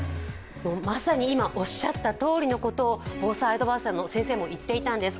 まさに今、おっしゃったとおりのことを防災アドバイザーの先生も言っていたんです。